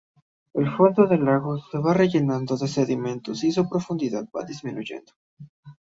El fondo del lago se va rellenando de sedimentos y su profundidad va disminuyendo.